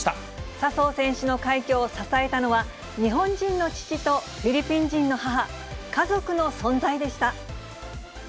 笹生選手の快挙を支えたのは、日本人の父とフィリピン人の母、家族の存在でした。